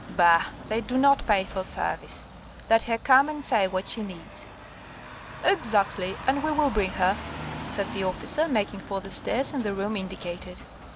"Bah! they do not pay for service; let her come and say what she needs." "Exactly; and we will bring her," said the officer, making for the stairs and the room indicated.